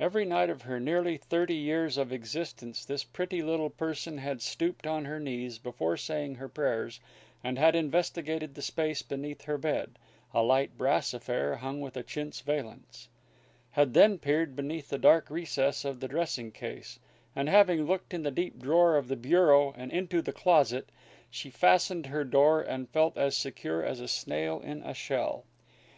Every night of her nearly thirty years of existence this pretty little person had stooped on her knees, before saying her prayers, and had investigated the space beneath her bed, a light brass affair, hung with a chintz valance; had then peered beneath the dark recess of the dressing case, and having looked in the deep drawer of the bureau and into the closet, she fastened her door and felt as secure as a snail in a shell.